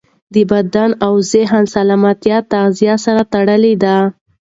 د بدن او ذهن سالمیت د تغذیې سره تړلی دی.